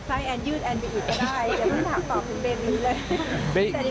ตอนนี้แอนด์อาจจะทำตัวไม่น่ารักแล้วเขามันใส่แอนด์ยืดแอนด์ไปอีกก็ได้